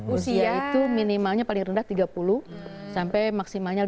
usia itu minimalnya paling rendah tiga puluh sampai maksimalnya lima puluh